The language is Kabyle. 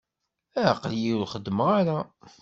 Aql-iyi ur xeddmeɣ ara.